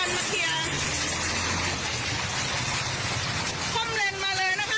ถือแป๊กมาตีด้วย๑๙๑นะคะ